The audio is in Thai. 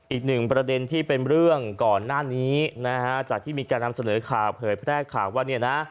อีกหนึ่งประเด็นที่เป็นเรื่องก่อนหน้านี้นะฮะจากที่มีการนำเสนอข่าวเผยแพร่ข่าวว่าเนี่ยนะ